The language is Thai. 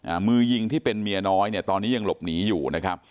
มือยิงที่เป็นเมียน้อยเนี่ยตอนนี้ยังหลบหนีอยู่นะครับ